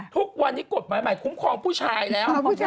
ทุกวันนี้กฎหมายใหม่คุ้มครองผู้ชายแล้ว